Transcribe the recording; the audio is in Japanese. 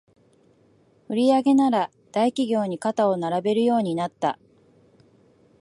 売上なら大企業に肩を並べるようになった